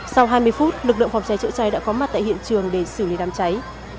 sau hai mươi phút lực lượng phòng cháy chữa cháy đã có mặt tại hiện trường để xử lý đám cháy